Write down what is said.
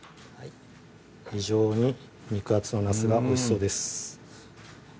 非常に肉厚のなすがおいしそうです